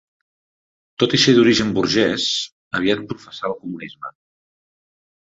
Tot i ser d'origen burgès, aviat professà el comunisme.